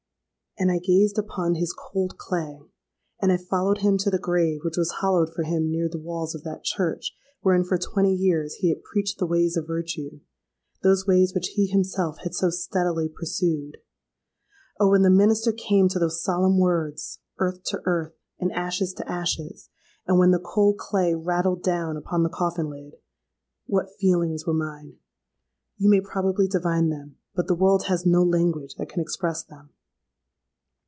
"And I gazed upon his cold clay—and I followed him to the grave which was hollowed for him near the walls of that church wherein for twenty years he had preached the ways of virtue—those ways which he himself had so steadily pursued. Oh! when the minister came to those solemn words 'Earth to earth, and ashes to ashes,'—and when the cold clay rattled down upon the coffin lid,—what feelings were mine! You may probably divine them; but the world has no language that can express them!